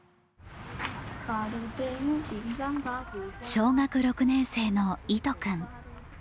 小学６年生の、いと君。